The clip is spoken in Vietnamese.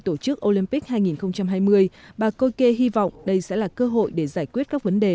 tổ chức olympic hai nghìn hai mươi bà koike hy vọng đây sẽ là cơ hội để giải quyết các vấn đề